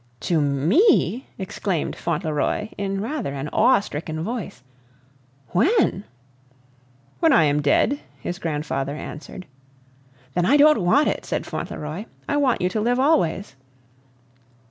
"To me!" exclaimed Fauntleroy in rather an awe stricken voice. "When?" "When I am dead," his grandfather answered. "Then I don't want it," said Fauntleroy; "I want you to live always."